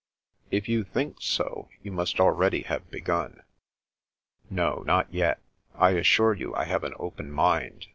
" If you think so, you must already have begun." " No, not yet. I assure you I have an open mind.